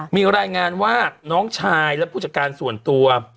มีรายงานว่าน้องชายและผู้จัดการส่วนตัว